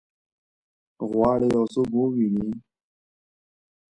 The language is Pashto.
غواړي یو څوک وویني؟